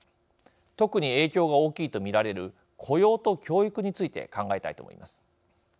特に影響が大きいと見られる雇用と教育について考えたいと思います。